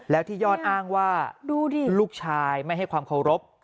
แล้วที่ยอดอ้างว่าลูกชายไม่ให้ความเคารพ